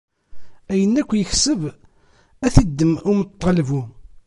Ayen akk yekseb, ad t-iddem umeṭṭalbu.